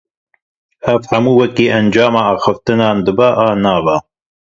Ev hemû wekî encama axaftinan dibe an nabe?